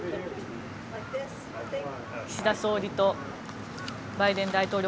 岸田総理とバイデン大統領